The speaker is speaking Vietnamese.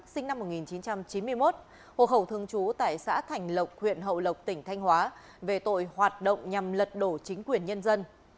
sinh năm một nghìn chín trăm chín mươi một hồ khẩu thương chú tại xã thành lộc huyện hậu lộc tỉnh thanh hóa về tội hoạt động nhằm lật đổ chính quyền nhân dân